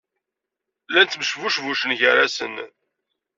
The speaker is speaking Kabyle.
Llan ttmesbucbucen gar-asen.